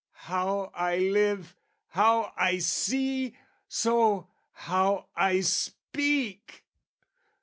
How I live, how I see! so, how I speak!